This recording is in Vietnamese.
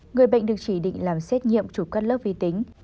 người bệnh được chỉ định làm xét nhiệm chụp các lớp vi tính